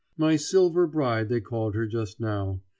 My silver bride they called her just now.